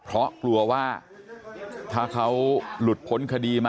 แล้วต้องไฟหลังอีก